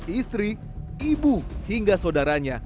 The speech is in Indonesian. istri ibu hingga saudaranya